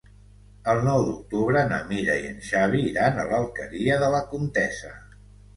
El nou d'octubre na Mira i en Xavi iran a l'Alqueria de la Comtessa.